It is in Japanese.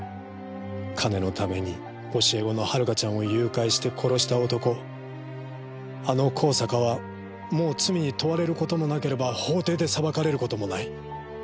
金のために教え子の遥ちゃんを誘拐して殺した男あの香坂はもう罪に問われる事もなければ法廷で裁かれる事もない。